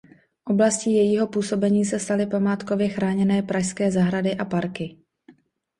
Oblastí jejího působení se staly památkově chráněné pražské zahrady a parky.